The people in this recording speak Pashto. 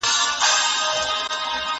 د افغانستان روغتونونه به نړیوال معیار ولري؟